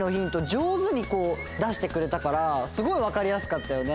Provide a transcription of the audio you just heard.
じょうずに出してくれたからすごいわかりやすかったよね。